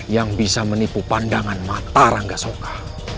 yang bisa menipu pandangan mata rangga soka